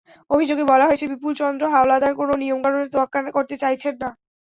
অভিযোগে বলা হয়েছে, বিপুল চন্দ্র হাওলাদার কোনো নিয়মকানুনের তোয়াক্কা করতে চাইছেন না।